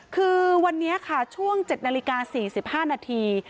คือวันนี้ค่ะช่วง๗นาฬิกา๔๕นาที